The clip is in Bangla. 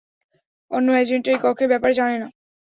অন্য অ্যাজেন্টরা এই কক্ষের ব্যাপারে জানে না?